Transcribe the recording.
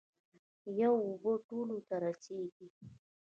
یوه اوبه ټولو ته رسیږي.